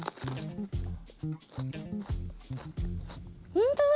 本当だ。